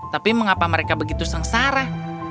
tapi mengapa mereka begitu sengsara